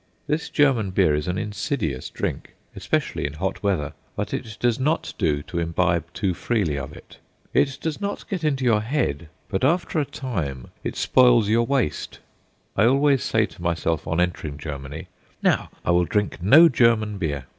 This German beer is an insidious drink, especially in hot weather; but it does not do to imbibe too freely of it. It does not get into your head, but after a time it spoils your waist. I always say to myself on entering Germany: "Now, I will drink no German beer.